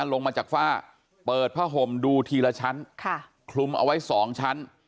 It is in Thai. ลงมาจากฝ้าเปิดผ้าห่มดูทีละชั้นคลุมเอาไว้๒ชั้น